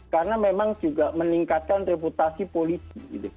karena memang juga meningkatkan reputasi polisi